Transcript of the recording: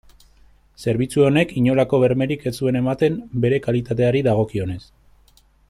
Zerbitzu honek inolako bermerik ez zuen ematen bere kalitateari dagokionez.